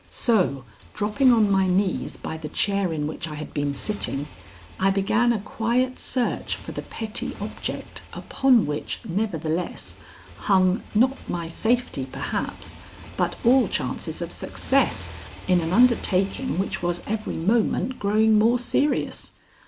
So, dropping on my knees by the chair in which I had been sitting, I began a quiet search for the petty object upon which, nevertheless, hung not my safety perhaps, but all chances of success in an undertaking which was every moment growing more serious.